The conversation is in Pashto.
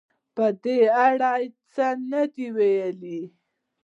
په دې اړه څه نه دې ویلي